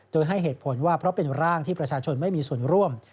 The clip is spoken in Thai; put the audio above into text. โดยให้เหตุผลว่าเพราะเป็นร่างที่ประชาชนไม่มีส่วนร่วม